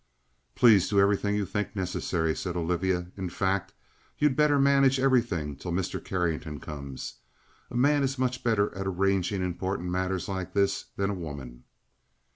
"Please do everything you think necessary," said Olivia. "In fact, you'd better manage everything till Mr. Carrington comes. A man is much better at arranging important matters like this than a woman."